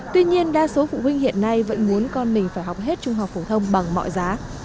tuy nhiên đa số phụ huynh hiện nay vẫn muốn con mình phải học hết trung học phổ thông bằng mọi giá